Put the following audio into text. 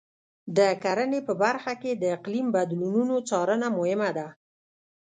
د کرنې په برخه کې د اقلیم بدلونونو څارنه مهمه ده.